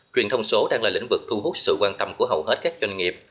truyền thông số đang là lĩnh vực thu hút sự quan tâm của hầu hết các doanh nghiệp